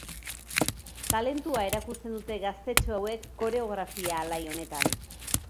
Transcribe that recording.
Talentua erakusten dute gaztetxo hauek koreografia alai honetan.